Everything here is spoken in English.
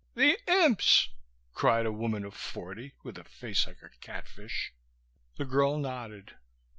"The imps!" cried a woman of forty with a face like a catfish. The girl nodded.